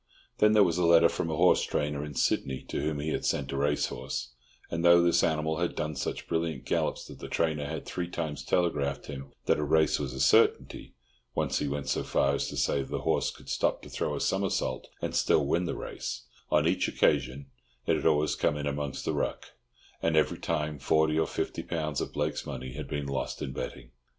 Then there was a letter from a horse trainer in Sydney to whom he had sent a racehorse, and though this animal had done such brilliant gallops that the trainer had three times telegraphed him that a race was a certainty—once he went so far as to say that the horse could stop to throw a somersault and still win the race—on each occasion it had always come in among the ruck; and every time forty or fifty pounds of Blake's money had been lost in betting.